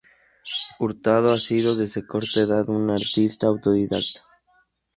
Hurtado ha sido desde corta edad una artista autodidacta.